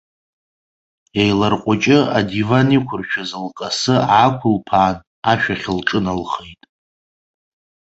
Еиларҟәыҷы адиван иқәыршәыз лкасы аақәылԥаан, ашәахь лҿыналхеит.